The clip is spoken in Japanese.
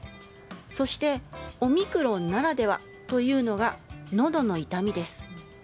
そしてオミクロンならではというのがのどの痛みです。